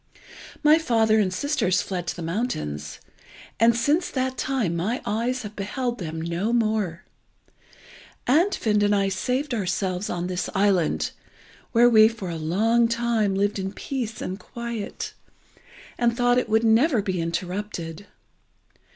My father and sisters fled to the mountains, and since that time my eyes have beheld them no more. Andfind and I saved ourselves on this island, where we for a long time lived in peace and quiet, and thought it would never be interrupted.